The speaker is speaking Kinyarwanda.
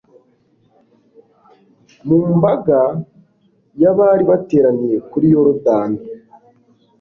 Mu mbaga y'abari bateraniye kuri Yorodani,